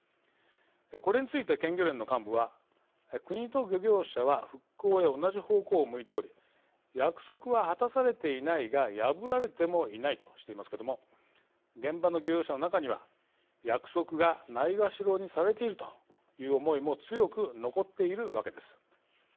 これについて県漁連の幹部は国と漁業者は復興へ同じ方向を向いており約束は果たされていないが破られてもいないとしていますけれども現場の漁業者の中には約束が、ないがしろにされているという思いも強く残っているわけです。